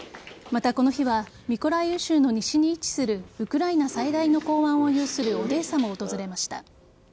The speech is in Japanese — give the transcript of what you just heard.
また、この日はミコライウ州の西に位置するウクライナ最大の港湾を有するオデーサも訪れました。